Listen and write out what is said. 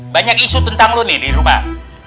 banyak isu tentang lo nih di rumah